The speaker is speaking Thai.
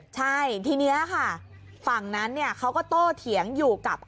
ใช่ทีนี้ค่ะฝั่งนั้นเขาก็โตเถียงอยู่กับ